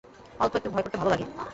অল্প একটু ভয় করতে ভালো লাগে।